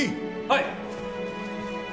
はい！